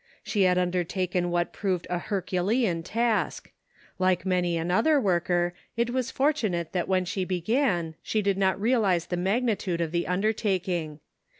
She had undertaken what proved a Herculean task ; like many another worker, it was fortunate that when she began she did not realize the magnitude of the undertaking.